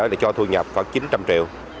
để cho thu nhập khoảng chín trăm linh triệu